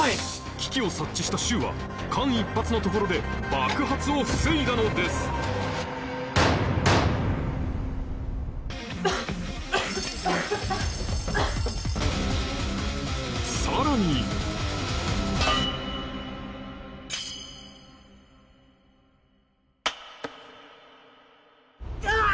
危機を察知した柊は間一髪のところで爆発を防いだのですさらにうわっ！